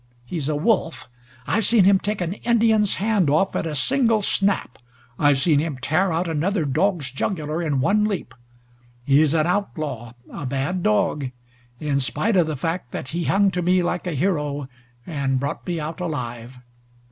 He's a wolf. I've seen him take an Indian's hand off at a single snap. I've seen him tear out another dog's jugular in one leap. He's an outlaw a bad dog in spite of the fact that he hung to me like a hero and brought me out alive.